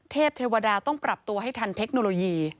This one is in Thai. เทวดาต้องปรับตัวให้ทันเทคโนโลยี